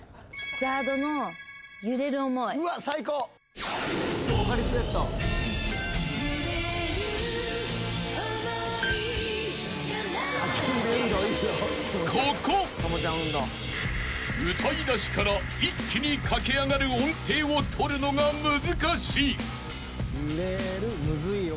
ＺＡＲＤの『揺れる想い』［歌いだしから一気に駆け上がる音程を取るのが難しい］